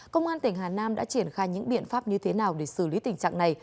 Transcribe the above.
công an tỉnh hà nam đã triển khai những biện pháp như thế nào để xử lý tình trạng này